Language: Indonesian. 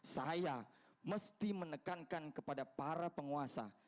saya mesti menekankan kepada para penguasa